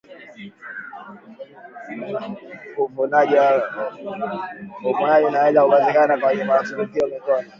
uvunaji unaweza kufanyika kwa kutumia mikono